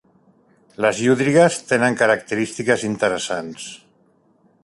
Les llúdrigues tenen característiques interessants.